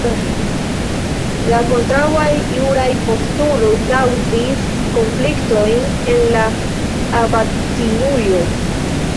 La kontraŭaj juraj postuloj kaŭzis konfliktojn en la abatinujo.